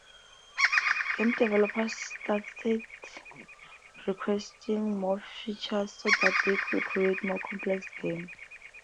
Game developers started requesting more features so that they could create more complex games.